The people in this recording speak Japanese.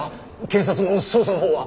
検察の捜査の方は。